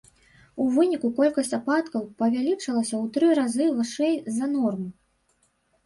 У выніку колькасць ападкаў павялічылася ў тры разы вышэй за норму.